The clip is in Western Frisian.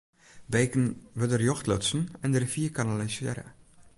Beken wurde rjocht lutsen en de rivier kanalisearre.